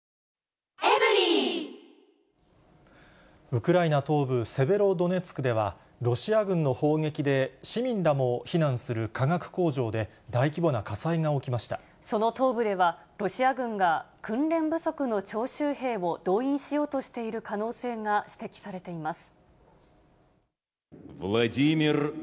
ウクライナ東部セベロドネツクでは、ロシア軍の砲撃で市民らも避難する化学工場で、大規模な火災が起その東部では、ロシア軍が訓練不足の徴集兵を動員しようとしている可能性が指摘されています。